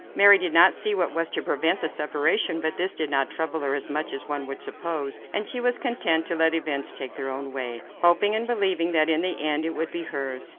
Mary did not see what was to prevent the separation, but this did not trouble her as much as one would suppose, and she was content to let events take their own way, hoping and believing that in the end it would be hers.